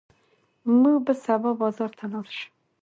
موږ به سبا بازار ته لاړ شو.